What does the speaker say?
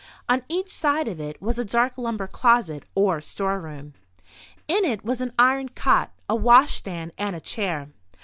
On each side of it was a dark lumber closet or storeroom. In it was an iron cot, a washstand and a chair.